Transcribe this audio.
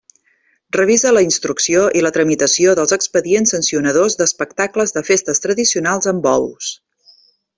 Revisa la instrucció i la tramitació dels expedients sancionadors d'espectacles de festes tradicionals amb bous.